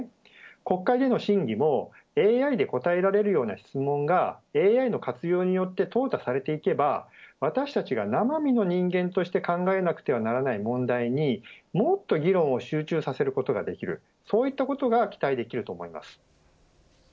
国会での審議もＡＩで答えられるような質問がＡＩの活用によって淘汰されていけば私たちが生身の人間として考えなくてはならない問題にもっと議論を集中させることができるそういったことが期待できると思います。